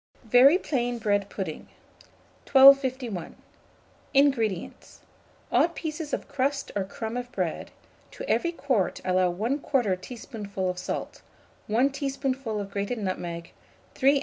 VERY PLAIN BREAD PUDDING. 1251. INGREDIENTS. Odd pieces of crust or crumb of bread; to every quart allow 1/2 teaspoonful of salt, 1 teaspoonful of grated nutmeg, 3 oz.